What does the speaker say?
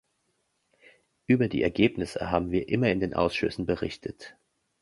Über die Ergebnisse haben wir immer in den Ausschüssen berichtet.